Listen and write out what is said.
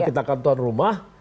kita kan tuan rumah